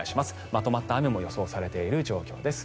まとまった雨も予想されている状況です。